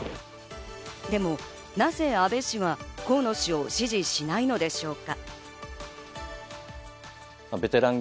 でも、なぜ安倍氏は河野氏を支持しないのでしょうか。